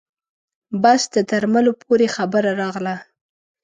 بس د درملو پورې خبره راغله.